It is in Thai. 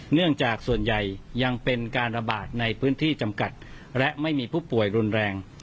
เนื่องจากส่วนใหญ่ยังเป็นการระบาดในพื้นที่จำกัดและไม่มีผู้ป่วยรุนแรง